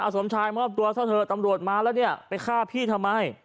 สมชายมอบตัวซะเถอะตำรวจมาแล้วเนี่ยไปฆ่าพี่ทำไม